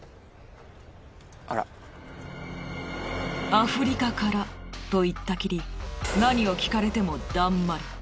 アフリカからと言ったきり何を聞かれてもダンマリ。